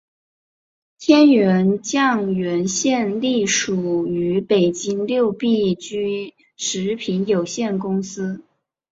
天源酱园现隶属于北京六必居食品有限公司。